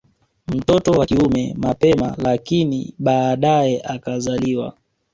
Mtoto wa kiume mapema lakini baadae akazaliwa